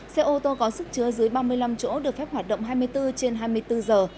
xe ô tô có sức chứa dưới ba mươi năm chỗ được phép hoạt động hai mươi bốn trên hai mươi bốn giờ